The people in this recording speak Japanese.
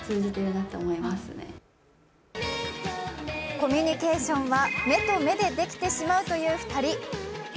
コミュニケーションは目と目でできてしまうという２人。